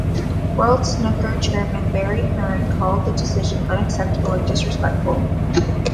World Snooker chairman Barry Hearn called the decision "unacceptable" and "disrespectful".